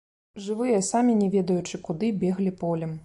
Жывыя, самі не ведаючы куды, беглі полем.